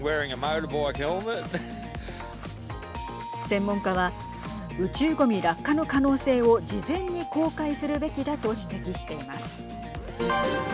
専門家は宇宙ごみ落下の可能性を事前に公開するべきだと指摘しています。